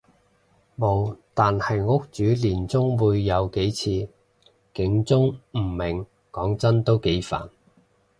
無，但係屋主年中會有幾次警鐘誤鳴，講真都幾煩